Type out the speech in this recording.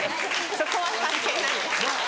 そこは関係ないです。